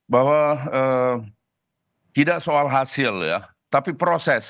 bahwa tidak soal hasil ya tapi proses